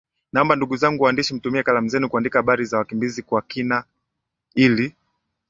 Naomba ndugu zangu waandishi mtumie kalamu zenu kuandika habari za wakimbizi kwa kina ili